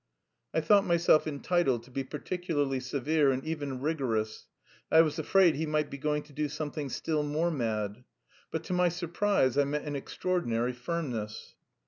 I thought myself entitled to be particularly severe and even rigorous. I was afraid he might be going to do something still more mad. But to my surprise I met an extraordinary firmness.